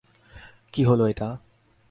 কী হলো এটা!